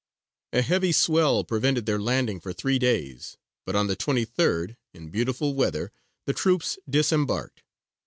A heavy swell prevented their landing for three days, but on the 23rd, in beautiful weather, the troops disembarked.